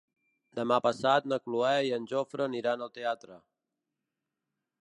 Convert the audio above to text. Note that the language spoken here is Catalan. Demà passat na Cloè i en Jofre aniran al teatre.